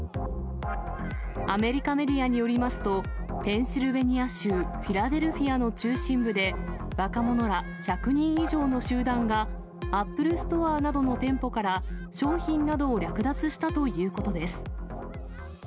アメリカメディアによりますと、ペンシルベニア州フィラデルフィアの中心部で、若者ら１００人以上の集団が、アップルストアなどの店舗から商品などを略奪したということです。